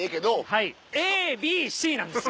はいＡＢＣなんですよ！